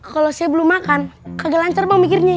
kalau saya belum makan kagak lancar bang mikirnya